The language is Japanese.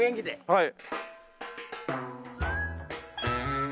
はい。